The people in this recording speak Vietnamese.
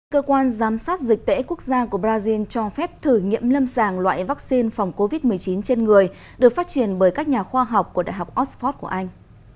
cơ quan giám sát dịch tễ quốc gia của brazil cho phép thử nghiệm lâm sàng loại vaccine phòng covid một mươi chín trên người được phát triển bởi các nhà khoa học của đại học oxford của anh